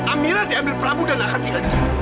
amira diambil prabu dan akan tinggal disana